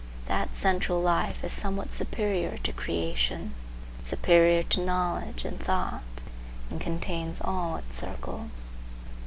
That central life is somewhat superior to creation, superior to knowledge and thought, and contains all its circles.